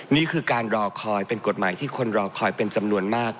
นี่คือการรอคอยเป็นกฎหมายที่คนรอคอยเป็นจำนวนมาก